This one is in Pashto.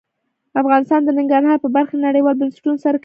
افغانستان د ننګرهار په برخه کې نړیوالو بنسټونو سره کار کوي.